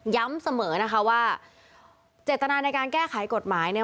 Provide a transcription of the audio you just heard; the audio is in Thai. ย้ำเสมอนะคะว่าเจตนาในการแก้ไขกฎหมายเนี่ย